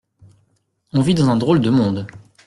On vit dans un drôle de monde.